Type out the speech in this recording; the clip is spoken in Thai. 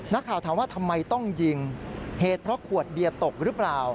นักข่าวถามว่าทำไมต้องยิงเหตุเพราะขวดเบียร์ตกหรือเปล่า